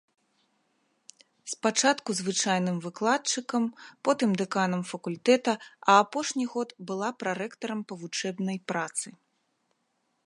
Спачатку звычайным выкладчыкам, потым дэканам факультэта, а апошні год была прарэктарам па вучэбнай працы.